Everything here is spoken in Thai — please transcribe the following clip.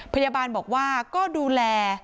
พยาบาลบอกว่าก็ดูแล